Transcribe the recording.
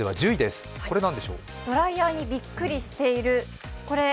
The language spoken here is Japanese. ドライヤーにびっくりしてる。